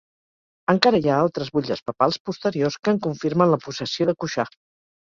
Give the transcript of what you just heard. Encara hi ha altres butlles papals posteriors que en confirmen la possessió de Cuixà.